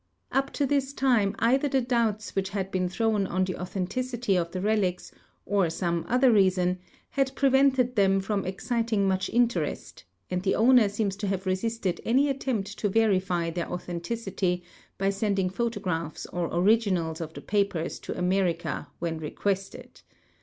Up to this time either the doul)ts which had been thrown on the authenticity of the relics, or some other reason, had lu'evented them from exciting much interest, and the owner seems to have resisted any attempt to verify their authenticity by sending photogra|)hs or originals of the i)apers to America when requested.